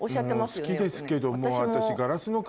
好きですけども私。